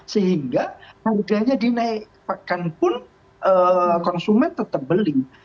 sehingga harganya dinaikkan pun konsumen tetap beli